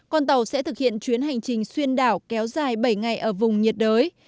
con tàu sẽ thực hiện chuyến hành trình xuyên đảo kéo dài bảy ngày ở vùng nhiệt đới